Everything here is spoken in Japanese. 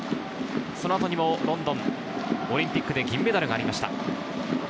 そのあとにもロンドンオリンピックで銀メダルがありました。